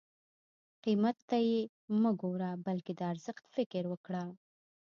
قیمت ته یې مه ګوره بلکې د ارزښت فکر وکړه.